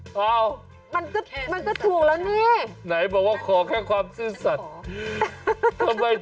แค่ซื่อสัตว์กับฉันนั่นคือทั้งหมดที่ฉันขอ